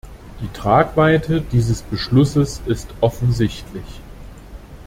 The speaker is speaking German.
Die Tragweite dieses Beschlusses ist offensichtlich.